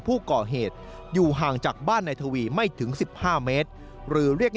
ผู้ก่อเหตุอยู่ห่างจากบ้านนายทวีไม่ถึง๑๕เมตรหรือเรียก